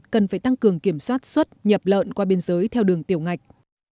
cần phải tăng cường kiểm soát xuất nhập lợn qua biên giới theo đường tiểu ngạch